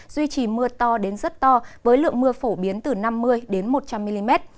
duy trì mưa to đến rất to với lượng mưa phổ biến từ năm mươi một trăm linh mm